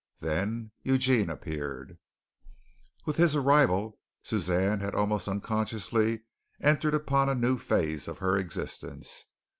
Then Eugene appeared. With his arrival, Suzanne had almost unconsciously entered upon a new phase of her existence.